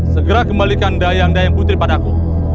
segera kembalikan dayang dayang putri padaku